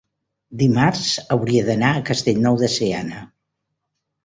dimarts hauria d'anar a Castellnou de Seana.